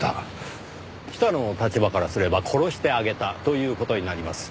北の立場からすれば殺してあげたという事になります。